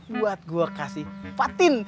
buat gue kasih patin